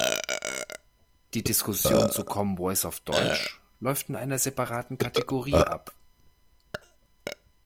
Die Diskussion zu Common Voice auf Deutsch läuft in einer separaten Kategorie ab.